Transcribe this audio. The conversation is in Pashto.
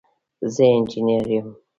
زه انجنیر یم